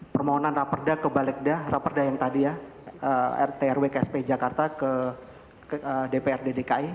permohonan raperda ke balegda raperda yang tadi ya trw ksp jakarta ke dpr dki